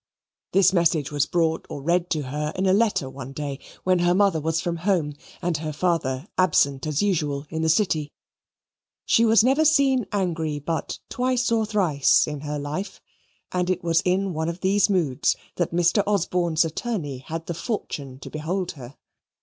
This message was brought or read to her in a letter one day, when her mother was from home and her father absent as usual in the City. She was never seen angry but twice or thrice in her life, and it was in one of these moods that Mr. Osborne's attorney had the fortune to behold her.